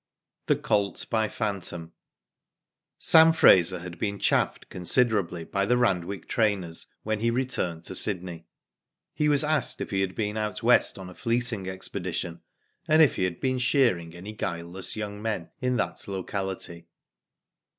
THE COLT BY PHANTOM. Sam Eraser had been chaffed considerably by the Randwick trainers when he returned to Sydney. He was asked if Ije had been out West on a fleecing expedition, and if he had been shearing any guileless young men in that locality.